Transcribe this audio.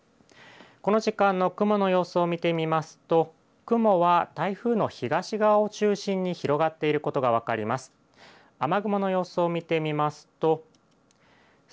この時間の雲の様子を見てみますと雲は台風の東側を中心に広がっていることが分かります。